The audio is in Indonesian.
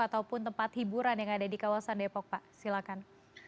ataupun tempat hiburan yang ada di kawasan depok pak silakan